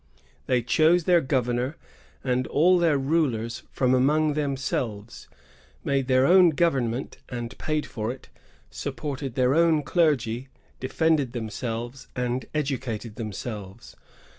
They chose their governor and all their rulers from among themselves, made their own government and paid for it, supported their own clergy, defended themselves, and educated them selves.